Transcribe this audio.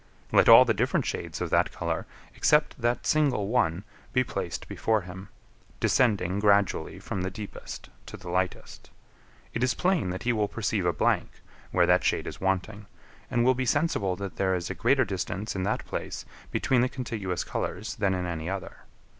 Let all the different shades of that colour, except that single one, be placed before him, descending gradually from the deepest to the lightest; it is plain that he will perceive a blank, where that shade is wanting, and will be sensible that there is a greater distance in that place between the contiguous colours than in any other.